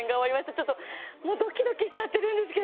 ちょっともうドキドキしちゃってるんですけど。